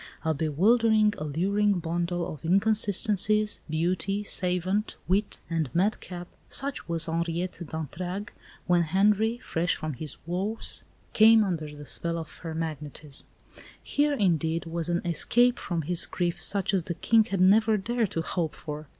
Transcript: A bewildering, alluring bundle of inconsistencies beauty, savant, wit, and madcap such was Henriette d'Entragues when Henri, fresh from his woes, came under the spell of her magnetism. Here, indeed, was an escape from his grief such as the King had never dared to hope for.